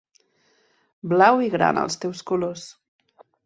Blau i grana els teus colors.